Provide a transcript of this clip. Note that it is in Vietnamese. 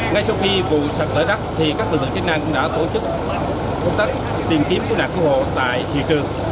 ngay sau khi vụ sạc lá đất các lực lượng chức năng cũng đã tổ chức công tác tìm kiếm cứu nạn cứu hộ tại hiện trường